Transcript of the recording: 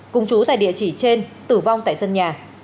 cùng chú tại địa chỉ trên tử vong tại sân nhà